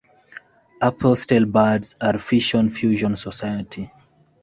Apostlebirds are a fission-fusion society.